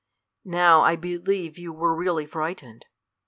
Now I believe you were really frightened.